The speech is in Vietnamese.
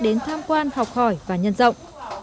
đến tham quan học hỏi và nhân rộng